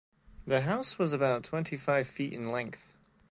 The house was about twenty-five feet in length.